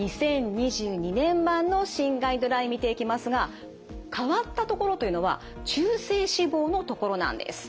年版の新ガイドライン見ていきますが変わったところというのは中性脂肪のところなんです。